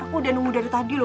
aku udah nunggu dari tadi loh